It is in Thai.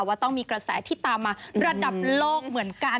ว่าต้องมีกระแสที่ตามมาระดับโลกเหมือนกัน